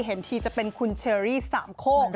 เห็นทีจะเป็นคุณเชอรี่สามโคก